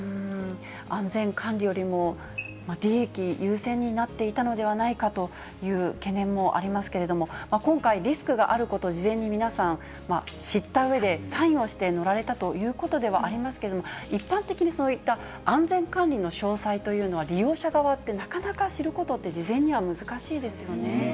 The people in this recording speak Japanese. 安全管理よりも利益優先になっていたのではないかという懸念もありますけれども、今回、リスクがあることを事前に皆さん、知ったうえでサインをして乗られたということではありますけれども、一般的にそういった安全管理の詳細というのは、利用者側って、なかなか知ることって、事前には難しいですよね。